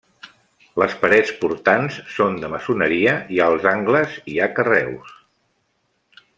Les parets portants són de maçoneria i als angles hi ha carreus.